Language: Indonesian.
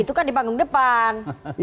itu kan di panggung depan